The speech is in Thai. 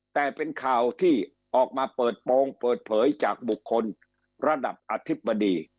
แต่เป็นข่าวที่ออกมาเปิดโปรงเปิดเผยจากบุคคลระดับอธิบดี